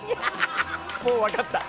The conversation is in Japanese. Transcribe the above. もう分かった。